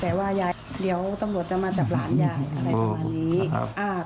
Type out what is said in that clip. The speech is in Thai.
แปลว่ายายเดี๋ยวต้องรวจจะมาจับหลานยายอะไรประมาณนี้